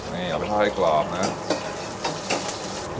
นี่เอาไปท่อให้กรอบนะครับ